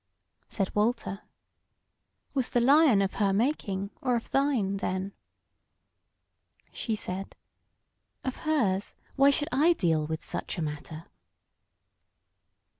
Said Walter: "Was the lion of her making or of thine then?" She said: "Of hers: why should I deal with such a matter?"